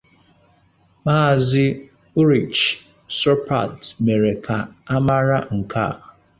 Maazị Ulrich Sopart mere ka a mara nke a.